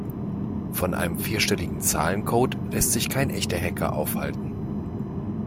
Von einem vierstelligen Zahlencode lässt sich kein echter Hacker aufhalten.